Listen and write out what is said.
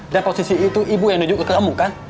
dan posisi itu ibu yang menunjuk ke kamu kan